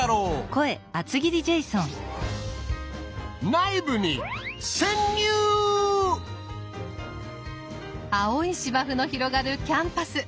内部に青い芝生の広がるキャンパス。